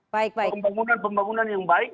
pembangunan pembangunan yang baik